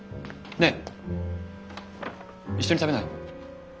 ねえ一緒に食べない？